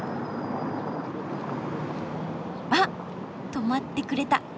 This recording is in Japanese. あっ止まってくれた。